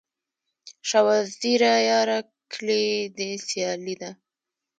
شاه وزیره یاره، کلي دي سیالي ده